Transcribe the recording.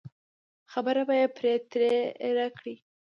خبره به یې پرې تېره کړه.